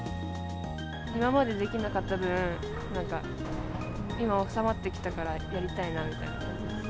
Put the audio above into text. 今までできなかった分、なんか今、収まってきたからやりたいなみたいな感じですね。